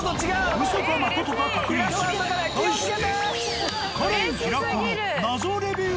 うそかまことか確認する題して。